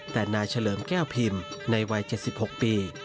แต่นายเฉลิมแก้วพิมพ์ในวัย๗๖ปี